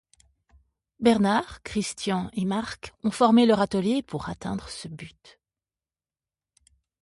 Bernard, Christian et Marc ont formé leur atelier pour atteindre ce but.